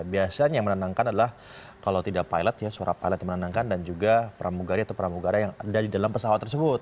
biasanya yang menenangkan adalah kalau tidak pilot ya suara pilot menenangkan dan juga pramugari atau pramugara yang ada di dalam pesawat tersebut